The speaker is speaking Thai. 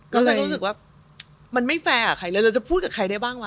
ก็เลยรู้สึกว่ามันไม่แฟร์กับใครเลยเราจะพูดกับใครได้บ้างวะ